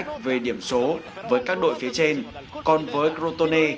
tuy nhiên niềm vui của đối khách lại không duy trì được bàn